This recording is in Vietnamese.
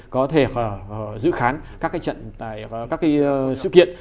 có thể giữ khán các sự kiện